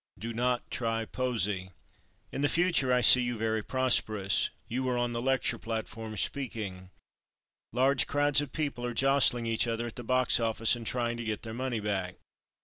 Do not try poesy. "In the future I see you very prosperous. You are on the lecture platform speaking. Large crowds of people are jostling each other at the box office and trying to get their money back.